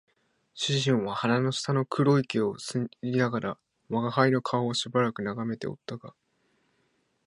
主人は鼻の下の黒い毛を撚りながら吾輩の顔をしばらく眺めておったが、